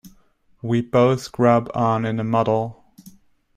We both grub on in a muddle.